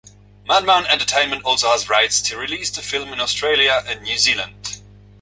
Madman Entertainment also has rights to release the film in Australia and New Zealand.